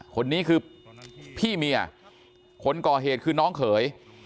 คนนี้คือพี่เมียคนก่อเหตุคือน้องเขย